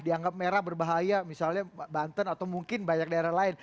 dianggap merah berbahaya misalnya banten atau mungkin banyak daerah lain